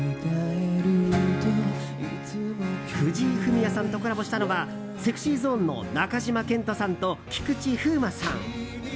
藤井フミヤさんとコラボしたのはＳｅｘｙＺｏｎｅの中島健人さんと菊池風磨さん。